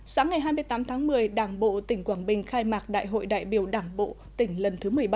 sáng ngày hai mươi tám tháng một mươi đảng bộ tỉnh quảng bình khai mạc đại hội đại biểu đảng bộ tỉnh lần thứ một mươi bảy